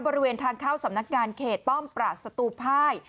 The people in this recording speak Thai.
บริเวณทางเข้าสำนักงานเขตป้อมปราศตูภาย